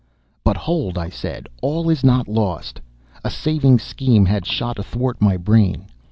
"'But hold,' I said, 'all is not lost.' A saving scheme had shot athwart my brain.